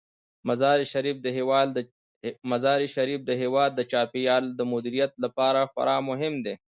مزارشریف د هیواد د چاپیریال د مدیریت لپاره خورا مهم دی.